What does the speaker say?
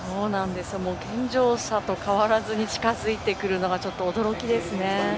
健常者と変わらずに近づいてくるのがちょっと驚きですね。